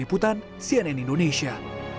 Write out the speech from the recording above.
diputan cnn indonesia